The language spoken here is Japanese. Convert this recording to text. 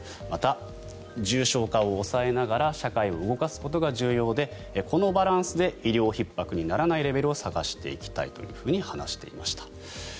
また、重症化を抑えながら社会を動かすことが重要でこのバランスで医療ひっ迫にならないレベルを探していきたいと話していました。